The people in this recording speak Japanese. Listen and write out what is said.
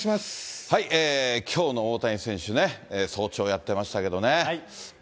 きょうの大谷選手ね、早朝やってましたけどね。